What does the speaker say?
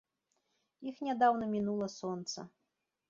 Іх нядаўна мінула сонца.